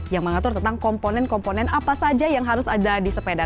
yang mengatur tentang komponen komponen apa saja yang harus ada di sepeda